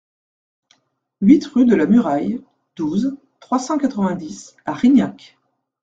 huit rue de la Muraille, douze, trois cent quatre-vingt-dix à Rignac